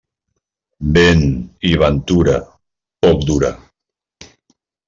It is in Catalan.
Vent i ventura, poc dura.